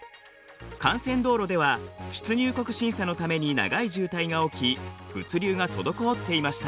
幹線道路では出入国審査のために長い渋滞が起き物流が滞っていました。